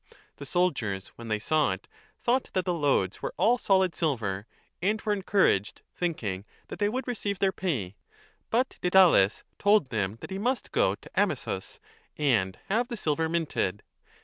The soldiers, when they saw it, 25 thought that the loads were all solid silver and were en couraged, thinking that they would receive their pay. But Didales told them that he must go to Amisus and have the silver minted.